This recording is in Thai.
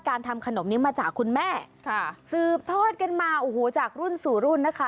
ทำขนมนี้มาจากคุณแม่ค่ะสืบทอดกันมาโอ้โหจากรุ่นสู่รุ่นนะคะ